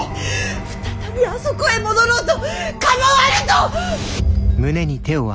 再びあそこへ戻ろうと構わぬと。